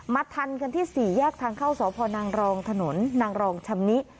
มัดทันกันที่๔แยกทางเข้าสพนรถนนนรชำนิ